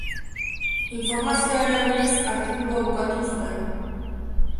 Informazioa erabiliz, artikulua bukatu zuen.